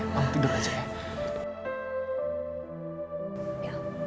mama tidur aja ya